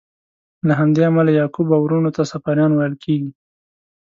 له همدې امله یعقوب او وروڼو ته صفاریان ویل کیږي.